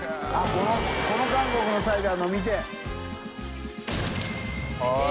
この韓国のサイダー飲みたい。